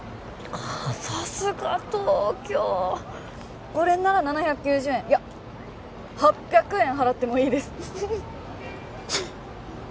さすが東京これなら７９０円いや８００円払ってもいいです